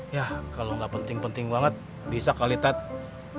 ya kalau gak penting penting banget bisa kali ustadz